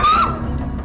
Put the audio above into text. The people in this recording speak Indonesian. cepet tunggu sebentar